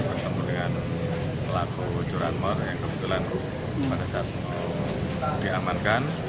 bertemu dengan pelaku curanmor yang kebetulan pada saat diamankan